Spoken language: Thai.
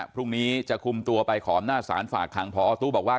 พรุ่งนี้จะคุมตัวไปขอบหน้าสารฝากทางพอตุบอกว่า